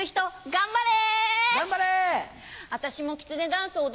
頑張れ！